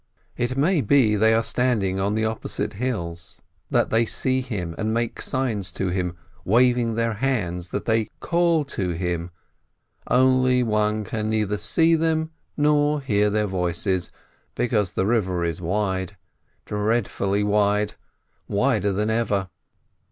It may be they are standing on the opposite hills, that they see him, and make signs to him, waving their hands, that they call to him, only one can neither see them nor hear 136 SHOLOM ALECHEM their voices, because the river is wide, dreadfully wide, wider than ever!